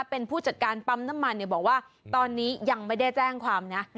เป็นผู้จัดการปั๊มน้ำมันบอกว่าตอนนี้ยังไม่ได้แจ้งความนะ